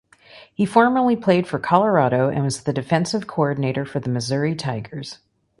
He formerly played for Colorado and was the defensive coordinator for the Missouri Tigers.